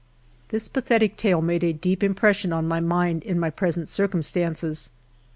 This pathetic tale made a deep impression on my mind in my present circumstances.